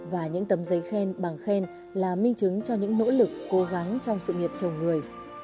và những tấm giấy khen bằng khen là minh chứng cho những nỗ lực cố gắng trong sự nghiệp chồng người